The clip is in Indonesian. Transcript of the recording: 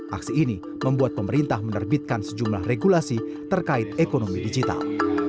aksi ini membuat pemerintah menerbitkan sejumlah regulasi terkait ekonomi digital